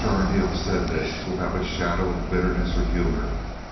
Arneel said this without a shadow of bitterness or humor.